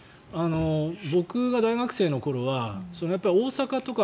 僕が大学生の頃は大阪とか。